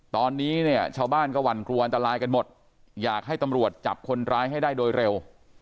ตอนนี้เนี่ยชาวบ้านก็หวั่นกลัวอันตรายกันหมดอยากให้ตำรวจจับคนร้ายให้ได้โดยเร็ว